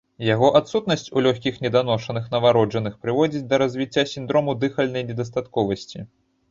Яго адсутнасць у лёгкіх неданошаных нованароджаных прыводзіць да развіцця сіндрому дыхальнай недастатковасці.